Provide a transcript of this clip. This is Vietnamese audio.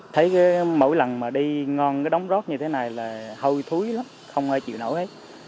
thấy mỗi lần mà đi ngon cái đóng rớt như thế này là hơi thúi lắm không ai chịu nổi hết